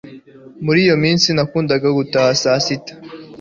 Muri iyo minsi nakundaga gutaha saa sita